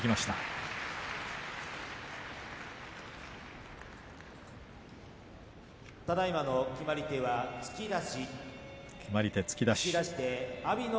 ただいまの決まり手は突き突き出し。